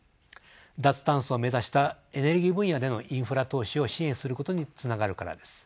脱炭素を目指したエネルギー分野でのインフラ投資を支援することにつながるからです。